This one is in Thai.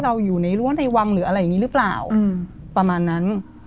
เราอยู่ในรั้วในวังหรืออะไรอย่างนี้หรือเปล่าประมาณนั้น